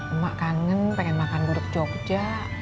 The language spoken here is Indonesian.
emak kangen pengen makan guruk jogja